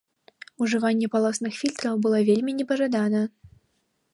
Ужыванне палосных фільтраў было вельмі непажадана.